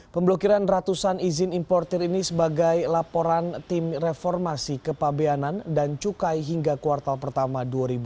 pemblokiran ratusan izin importir ini sebagai laporan tim reformasi kepabeanan dan cukai hingga kuartal pertama dua ribu dua puluh